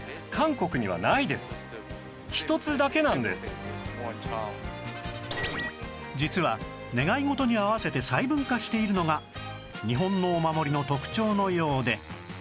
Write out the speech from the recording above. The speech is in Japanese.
このように実は願い事に合わせて細分化しているのが日本のお守りの特徴のようで